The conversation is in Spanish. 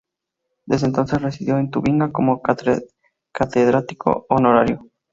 Desde entonces residió en Tubinga como catedrático honorario.